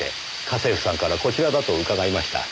家政婦さんからこちらだと伺いました。